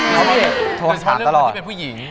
เขาบอกว่าเขาเป็นผู้หญิง